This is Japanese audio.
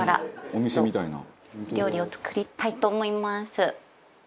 「お店みたいな」料理を作りたいと思います。